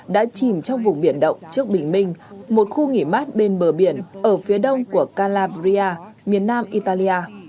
đã chìm trong vùng biển động trước bình minh một khu nghỉ mát bên bờ biển ở phía đông của calabria miền nam italia